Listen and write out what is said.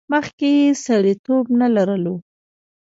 مخکې یې سړیتیوب نه لرلو.